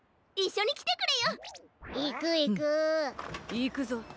いくぞ。